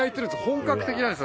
本格的なんです。